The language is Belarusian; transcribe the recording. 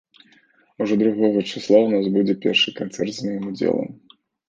Ужо другога чысла ў нас будзе першы канцэрт з маім удзелам.